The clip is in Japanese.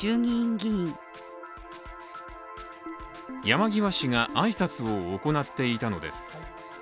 山際氏が挨拶を行っていたのです。